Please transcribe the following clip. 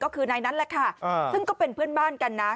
ก็คือนายนั้นแหละค่ะซึ่งก็เป็นเพื่อนบ้านกันนะ